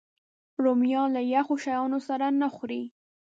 رومیان له یخو شیانو سره نه خوري